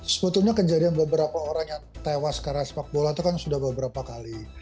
sebetulnya kejadian beberapa orang yang tewas karena sepak bola itu kan sudah beberapa kali